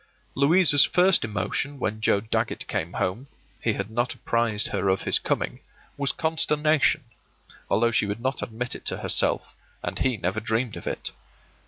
Louisa's first emotion when Joe Dagget came home (he had not apprised her of his coming) was consternation, although she would not admit it to herself, and he never dreamed of it.